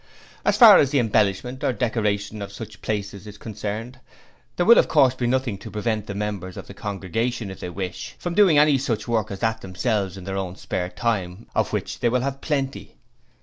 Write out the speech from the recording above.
As far as the embellishment or decoration of such places is concerned, there will of course be nothing to prevent the members of the congregation if they wish from doing any such work as that themselves in their own spare time of which they will have plenty.'